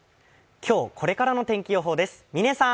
今日これからの天気予報です、嶺さん。